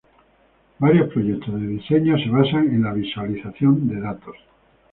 Varios proyectos de diseño se basan en la visualización de datos.